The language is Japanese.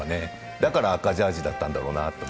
だから赤いジャージだったんだろうなって。